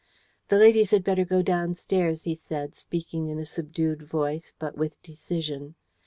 "The ladies had better go downstairs," he said, speaking in a subdued voice, but with decision.